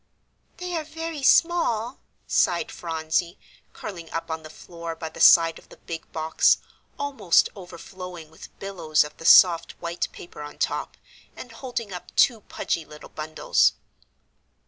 "They are very small," sighed Phronsie, curling up on the floor by the side of the big box, almost overflowing with billows of the soft white paper on top, and holding up two pudgy little bundles.